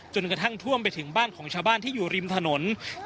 จนกระทั่งท่วมไปถึงบ้านของชาวบ้านที่อยู่ริมถนน